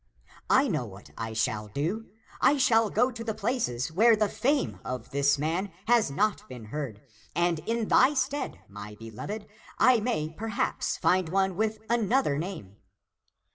I know what I shall do :^ I shall go to the places where the fame of this man has not been heard ; and in thy stead, my beloved, I may perhaps find one with another name."